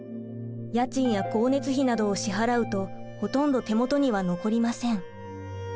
家賃や光熱費などを支払うとほとんど手元には残りません。